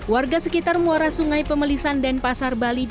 warga sekitar muara sungai pemelisan dan pasar bali